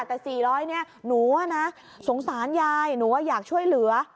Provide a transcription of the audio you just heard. แต่๔๐๐บาทนี่หนูว่านะสงสารยายหนูว่าอยากช่วยเหลือ